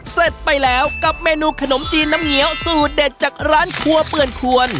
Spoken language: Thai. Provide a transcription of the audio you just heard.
เสร็จไปแล้วกับเมนูขนมจีนน้ำเงี้ยวสูตรเด็ดจากร้านครัวเปื่อนควร